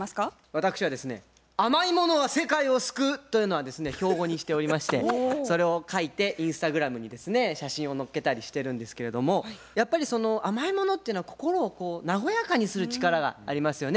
私はですね「甘いものは世界を救う」というのはですね標語にしておりましてそれを書いてインスタグラムにですね写真を載っけたりしてるんですけれどもやっぱり甘いものっていうのは心を和やかにする力がありますよね。